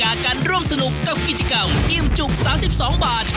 จากการร่วมสนุกกับกิจกรรมอิ่มจุก๓๒บาท